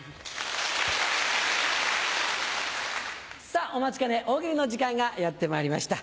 さぁお待ちかね大喜利の時間がやってまいりました。